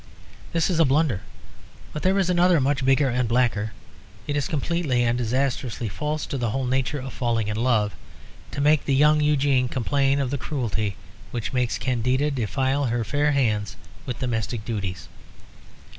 This is a blunder; but there is another much bigger and blacker. It is completely and disastrously false to the whole nature of falling in love to make the young Eugene complain of the cruelty which makes Candida defile her fair hands with domestic duties.